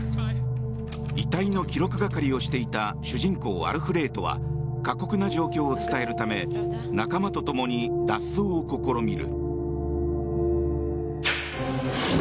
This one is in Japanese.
遺体の記録係をしていた主人公アルフレートは過酷な状況を伝えるため仲間と共に脱走を試みる。